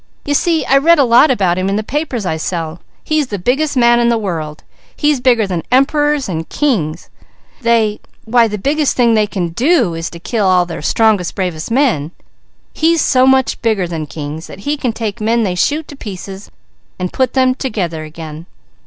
"You see I read a lot about him in the papers I sell. He's the biggest man in the world! He's bigger than emperors and kings! They why the biggest thing they can do is to kill all their strongest, bravest men. He's so much bigger than kings, that he can take men they shoot to pieces and put them together again.